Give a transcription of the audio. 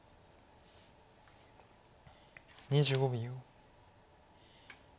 ２５秒。